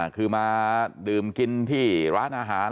คือมาดื่มกินที่ร้านอาหาร